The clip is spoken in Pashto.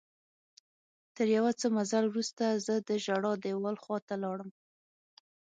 تر یو څه مزل وروسته زه د ژړا دیوال خواته لاړم.